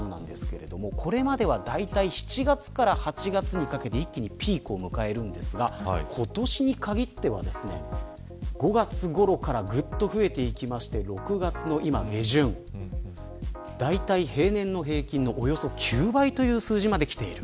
これまではだいたい７月から８月にかけて一気にピークを迎えるんですが今年に限っては５月ごろからぐっと増えて６月の今、下旬だいたい平年のおよそ９倍の数字まできている。